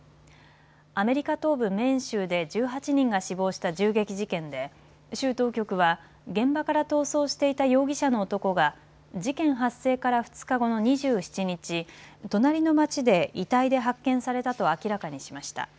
アメリカ東部メーン州で１８人が死亡した銃撃事件で州当局は現場から逃走していた容疑者の男が事件発生から２日後の２７日、隣の町で遺体で発見されたと明らかにしました。